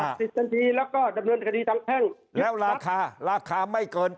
ศักดิ์สิจันทีแล้วก็ดำเนินคดีทั้งแห้งแล้วลาคาลาคาไม่เกิน